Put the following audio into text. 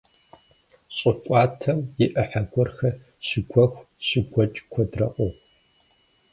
Щӏы кӏуатэм и ӏыхьэ гуэрхэр щыгуэху, щыгуэкӏ куэдрэ къохъу.